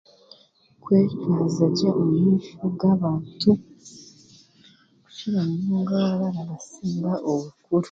Kwetwaza gye omu maisho gabantu okukira munonga baababarabasinga obukuru